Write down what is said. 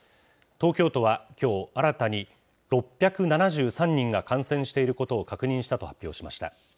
東京都はきょう、新たに６７３人が感染していることを確認したと発表しました。